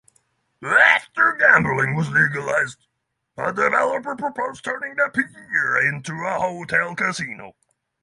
After gambling was legalized, a developer proposed turning the pier into a hotel-casino.